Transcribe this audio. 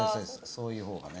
そういう方がね。